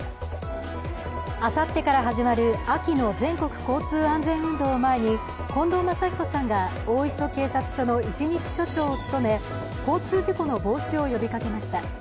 あさってから始まる秋の全国交通安全運動を前に近藤真彦さんが大磯警察署の一日署長を務め、交通事故の防止を呼びかけました。